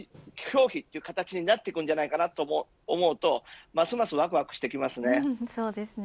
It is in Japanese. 消費という形になってくるんじゃないかと思うとますますわくわくしてきます。